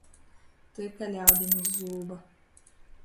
Tyka ļaudim iz zūba.